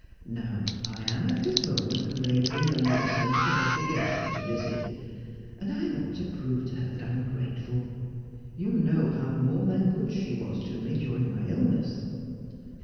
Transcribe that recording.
Now, I am at this moment Kbourinff undc 1 1 >o sense of obligation to Lizzie* and I waul to Morton's Brilliant Idea. 289 prove to her that I am grateful. You know how more than good she was to me during my illness.'